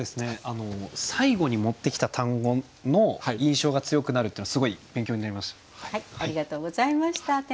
最後に持ってきた単語の印象が強くなるというのはすごい勉強になりました。